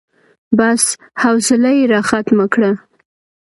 بس، حوصله يې راختمه کړه.